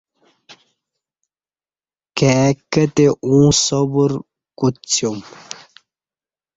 کائی کتی اوں صبرکوڅیوم